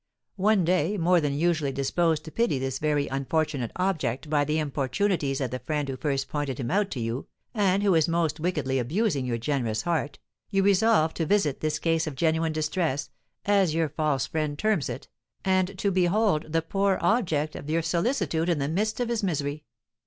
One day, more than usually disposed to pity this very unfortunate object by the importunities of the friend who first pointed him out to you, and who is most wickedly abusing your generous heart, you resolve to visit this case of genuine distress, as your false friend terms it, and to behold the poor object of your solicitude in the midst of his misery.